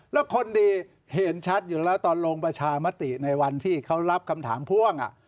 แล้วคนดีเห็นชัดอยู่แล้วตอนลงประชามติในวันที่เขารับคำถามพ่วง